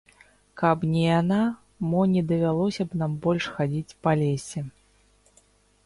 Каб не яна, мо не давялося б нам больш хадзіць па лесе.